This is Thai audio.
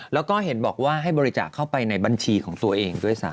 แล้วก็เห็นบอกว่าให้บริจาคเข้าไปในบัญชีของตัวเองด้วยซ้ำ